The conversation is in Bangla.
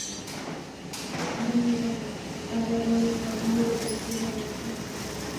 যিনি উপাসক, তাঁহার ব্যবহারিক ধর্ম হইল ভক্তি ও ভালবাসার ক্ষমতা।